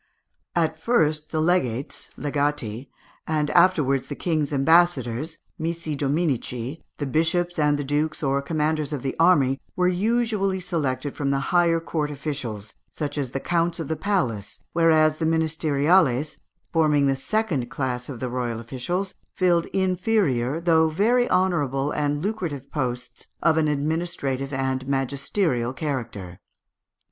At first the legates (legati), and afterwards the King's ambassadors (missi dominici), the bishops and the dukes or commanders of the army were usually selected from the higher court officials, such as the counts of the palace, whereas the ministeriales, forming the second class of the royal officials, filled inferior though very honourable and lucrative posts of an administrative and magisterial character.